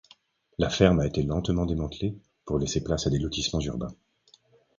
La ferme a été lentement démantelée pour laisser place à des lotissements urbains.